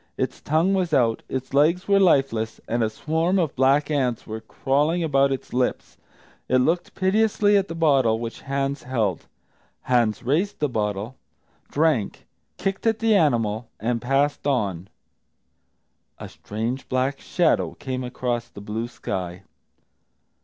Its tongue was out, its legs were lifeless, and a swarm of black ants were crawling about its lips. It looked piteously at the bottle which Hans held. Hans raised the bottle, drank, kicked at the animal, and passed on. A strange black shadow came across the blue sky.